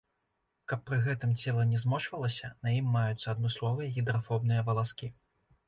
Каб пры гэтым цела не змочвалася, на ім маюцца адмысловыя гідрафобныя валаскі.